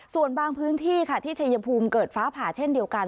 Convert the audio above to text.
ส่วนบางพื้นที่ค่ะที่ชัยภูมิเกิดฟ้าผ่าเช่นเดียวกัน